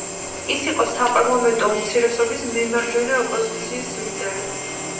ის იყო საპარლამენტო უმცირესობის, „მემარჯვენე ოპოზიციის“ ლიდერი.